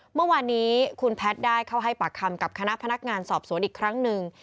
เมื่อวานนี้คุณแพทย์ได้เข้าให้ปากคำกับคณะพนักงานสอบสวนอีกครั้งหนึ่ง